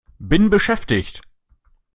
Bin beschäftigt!